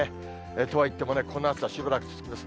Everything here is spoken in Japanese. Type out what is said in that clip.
とはいってもね、この暑さ、しばらく続きます。